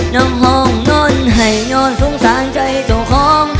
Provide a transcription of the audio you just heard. น้องน้องให้ยอดสงสารใจเจ้าของ